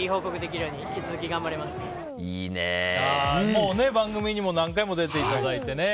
もう、番組にも何回も出ていただいてね。